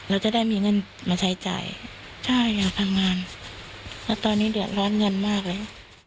เราจะได้มีเงินมาใช้จ่ายใช่อยากทำงานแล้วตอนนี้เดือดร้อนเงินมากเลย